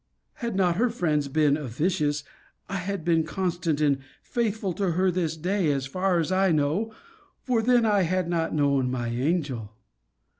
Had not her friends been officious, I had been constant and faithful to her to this day, as far as I know for then I had not known my angel.